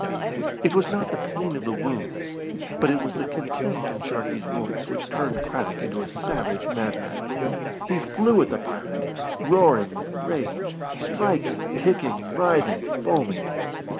It was not the pain of the wounds, but it was the contempt in Sharkey's voice which turned Craddock into a savage madman. He flew at the pirate, roaring with rage, striking, kicking, writhing, foaming.